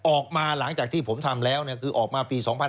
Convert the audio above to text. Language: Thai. หลังจากที่ผมทำแล้วคือออกมาปี๒๕๕๙